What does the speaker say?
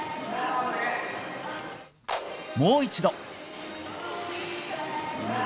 もう一度。